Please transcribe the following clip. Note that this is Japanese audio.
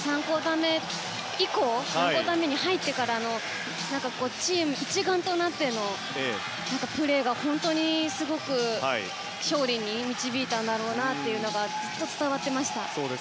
３クオーター目に入ってからのチーム一丸となってのプレーが本当にすごくて勝利に導いたんだろうなというのがずっと伝わっていました。